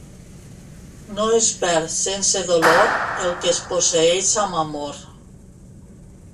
No es perd sense dolor, el que es posseeix amb amor.